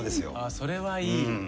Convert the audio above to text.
それはいい。